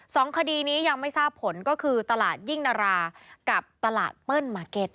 สองคดีนี้ยังไม่ทราบผลก็คือตลาดยิ่งนารากับตลาดเปิ้ลมาร์เก็ต